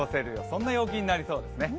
そんな陽気になりそうですね。